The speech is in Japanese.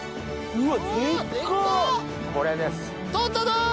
うわ！